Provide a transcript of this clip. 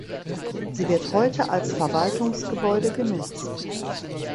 Sie wird heute als Verwaltungsgebäude genutzt.